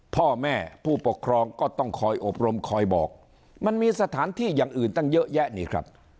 พ่อแม่ผู้ปกครองก็ต้องคอยอบรมคอยบอกมันมีสถานที่อย่างอื่นตั้งเยอะแยะนี่ครับ